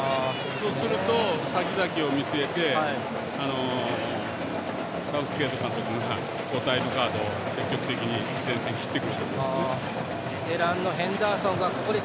そうすると、さきざきを見据えてサウスゲート監督が交代のカード積極的に前線切ってくると思います。